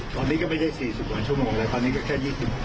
ตอนนี้ก็ไม่ได้๔๐หวันชั่วโมงแต่ตอนนี้ก็แค่๒๐